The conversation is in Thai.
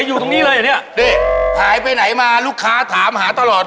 หมูปาหัด